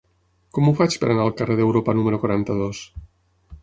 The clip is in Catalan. Com ho faig per anar al carrer d'Europa número quaranta-dos?